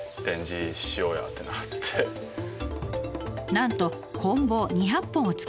なんとこん棒２００本を作り